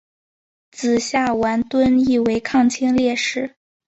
子夏完淳亦为抗清烈士。